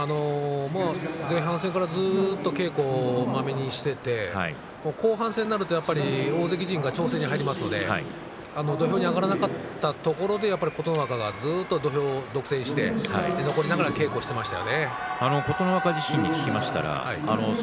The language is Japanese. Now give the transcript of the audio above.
前半戦からずっと稽古をまめにしていて後半戦になると大関陣は調整に入りますので、土俵に上がらなかったところでもって琴ノ若が土俵を独占して残りながら稽古していました。